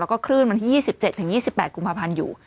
ก็ขึ้นวันที่๒๗ถึง๒๘กุมภาพันธุ์อยู่